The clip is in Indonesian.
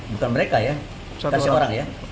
bukan mereka ya kasih orang ya